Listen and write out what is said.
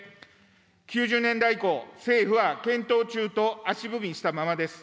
９０年代以降、政府は検討中と足踏みしたままです。